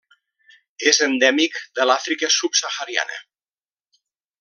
És endèmic de l'Àfrica subsahariana.